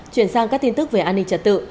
chuyển sang các tin tức về an ninh trật tự